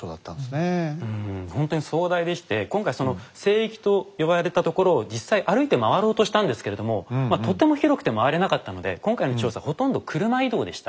うんほんとに壮大でして今回その聖域と呼ばれたところを実際歩いて回ろうとしたんですけれどもまあとても広くて回れなかったので今回の調査ほとんど車移動でした。